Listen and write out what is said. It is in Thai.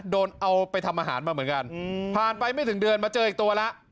โดนเอาไปทำอาหารมาเหมือนกันผ่านไปไม่ถึงเดือนมาเจออีกตัวแล้ว